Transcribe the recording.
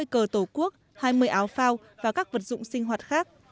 bốn mươi cờ tổ quốc hai mươi áo phao và các vật dụng sinh hoạt khác